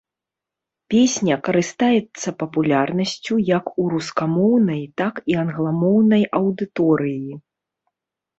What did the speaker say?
Песня карыстаецца папулярнасцю, як у рускамоўнай, так і англамоўнай аўдыторыі.